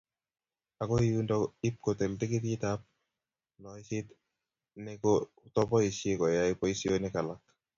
Akoi yundo ip kotil tikititab loiseet ne kotoboisye koyai boisionik alak.